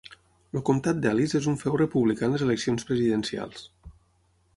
El comtat d'Ellis és un feu republicà en les eleccions presidencials.